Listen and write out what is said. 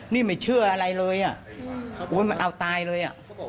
นี่ไม่เชื่ออะไรเลยมันเอาตายเลย